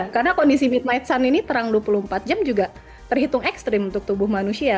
karena kondisi midnight sun ini terang dua puluh empat jam juga terhitung ekstrim untuk tubuh manusia